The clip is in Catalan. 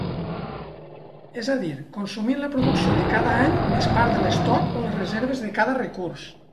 És a dir, consumint la producció de cada any més part de l'estoc o les reserves de cada recurs.